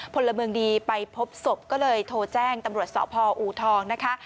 พลเมืองดีไปพบศพก็เลยโทรแจ้งตำรวจสพอูทองนะคะ